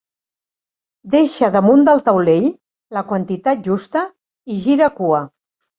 Deixa damunt del taulell la quantitat justa i gira cua.